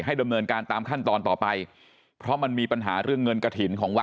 ดำเนินการตามขั้นตอนต่อไปเพราะมันมีปัญหาเรื่องเงินกระถิ่นของวัด